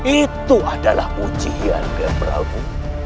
itu adalah ujian nger prabu